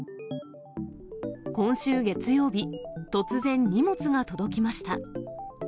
今週月曜日、突然、荷物が届きました。